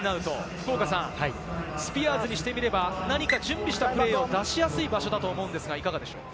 福岡さん、スピアーズにしてみれば、何か準備したプレーを出しやすい場所だと思うんですが、いかがですか？